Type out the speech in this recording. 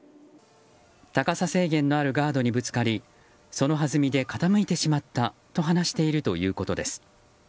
高さ制限のあるガードにぶつかりそのはずみで傾いてしまったと話しているということです。